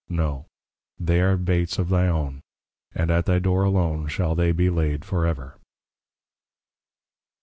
_ No, they are Baits of thy own; and at thy Door alone shall they be laid for ever.